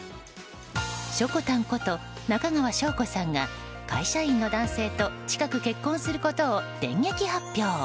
しょこたんこと中川翔子さんが会社員の男性と近く結婚することを電撃発表。